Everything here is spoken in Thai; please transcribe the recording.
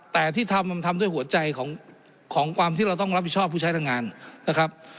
แต่ที่ทำมันทำด้วยหัวใจของความที่เราต้องรับผิดชอบผู้ใช้แรงงานนะครับ